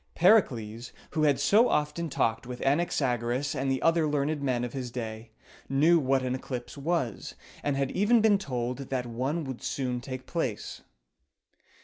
Pericles, who had so often talked with Anaxagoras and the other learned men of his day, knew what an eclipse was, and had even been told that one would soon take place.